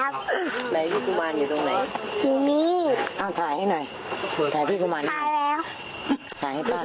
สนุกโยงกันทั้งเนี่ยค่ะทั้งหัวบ้านและทั้งบน